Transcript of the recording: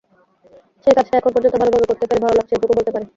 সেই কাজটা এখন পর্যন্ত ভালোভাবে করতে পেরে ভালো লাগছে, এটুকু বলতে পারি।